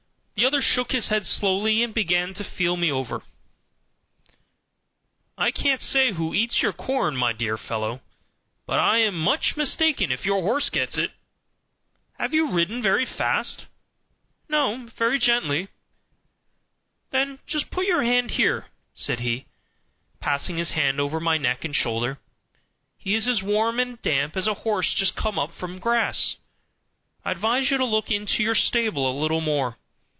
The other shook his head slowly, and began to feel me over. "I can't say who eats your corn, my dear fellow, but I am much mistaken if your horse gets it. Have you ridden very fast?" "No, very gently." "Then just put your hand here," said he, passing his hand over my neck and shoulder; "he is as warm and damp as a horse just come up from grass. I advise you to look into your stable a little more.